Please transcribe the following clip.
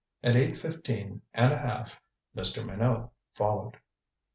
At eight fifteen and a half Mr. Minot followed.